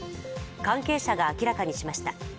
関係者が明らかにしました。